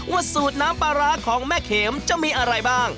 สูตรน้ำปลาร้าของแม่เข็มจะมีอะไรบ้าง